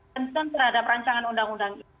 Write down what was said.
tentang terhadap rancangan undang undang itu